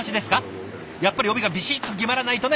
やっぱり帯がビシッと決まらないとね！